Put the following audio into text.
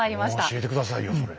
教えて下さいよそれ。